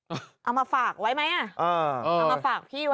เอามาฝากไว้ไหมอ่ะเอามาฝากพี่ไว้